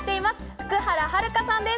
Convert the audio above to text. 福原遥さんです。